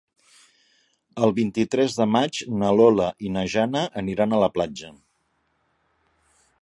El vint-i-tres de maig na Lola i na Jana aniran a la platja.